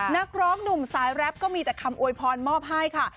นักร้องหนุ่มสายแรปก็มีแต่คำอวยพรมอบให้ค่ะ